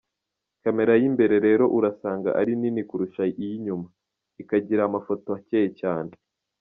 Camera y’imbere rero urasanga ari nini kurusha iy’inyuma, ikagira amafoto acyeye cyane.